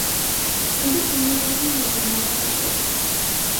Ella tiene dos medias hermanas mayores.